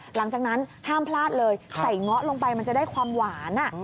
หลังจากนั้นห้ามพลาดเลยใส่เงาะลงไปมันจะได้ความหวาน